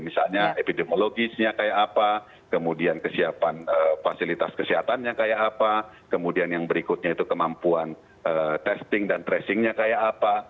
misalnya epidemiologisnya kayak apa kemudian kesiapan fasilitas kesehatannya kayak apa kemudian yang berikutnya itu kemampuan testing dan tracingnya kayak apa